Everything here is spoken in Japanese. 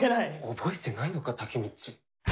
覚えてないのか、タケミチ。